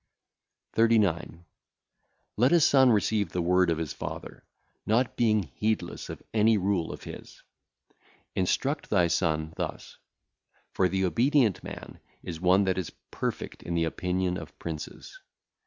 39. Let a son receive the word of his father, not being heedless of any rule of his. Instruct thy son [thus]; for the obedient man is one that is perfect in the opinion of princes.